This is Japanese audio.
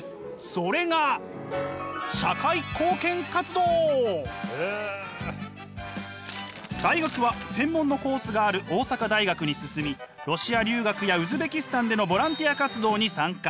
それが大学は専門のコースがある大阪大学に進みロシア留学やウズベキスタンでのボランティア活動に参加。